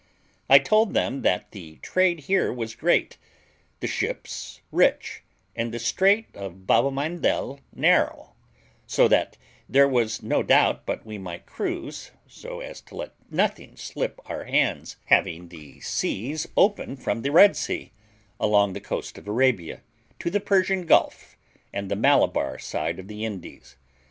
I told them that the trade here was great, the ships rich, and the Strait of Babelmandel narrow; so that there was no doubt but we might cruise so as to let nothing slip our hands, having the seas open from the Red Sea, along the coast of Arabia, to the Persian Gulf, and the Malabar side of the Indies.